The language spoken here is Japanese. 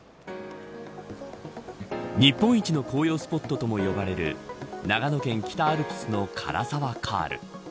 日本一の紅葉スポットとも呼ばれる長野県北アルプスの涸沢カール。